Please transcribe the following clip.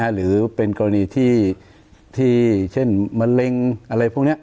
หรือเป็นกรณีที่เช่นมะเร็งอะไรพวกนี้